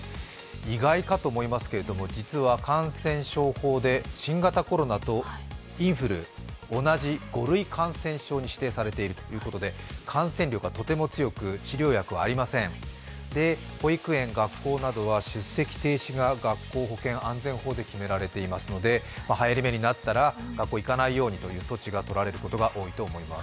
意外かと思いますが実は感染症法で新型コロナとインフル、５類感染症に指定されているということで感染力がとても強く、治療薬はありません、保育園、学校などは出席停止が学校保険安全法で決められていますので、はやり目になったら学校へ行かないようにという措置がとられることが多いと思います。